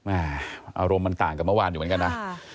อารมณ์มันต่างกับเมื่อวานอยู่เหมือนกันนะ